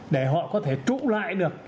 để họ có thể trụ lại được